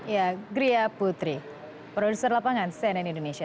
ya gria putri produser lapangan cnn indonesia